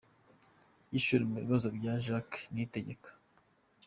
Yishura ku bibazo vya Jacques Niyitegeka.